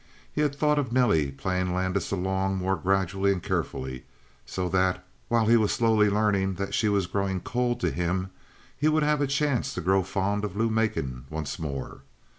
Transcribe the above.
He had thought of Nelly playing Landis along more gradually and carefully, so that, while he was slowly learning that she was growing cold to him, he would have a chance to grow fond of Lou Macon once more.